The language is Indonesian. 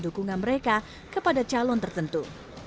dukungan mereka kepada calon tertentu